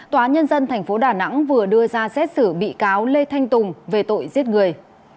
tòa nhân dân tp đà nẵng vừa đưa ra xét xử bị cáo lê thanh tùng về tội giết người